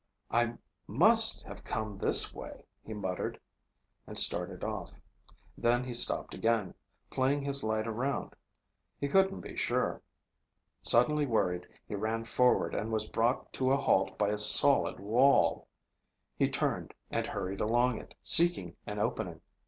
"I must have come this way," he muttered, and started off. Then he stopped again, playing his light around. He couldn't be sure. Suddenly worried, he ran forward and was brought to a halt by a solid wall. He turned and hurried along it, seeking an opening.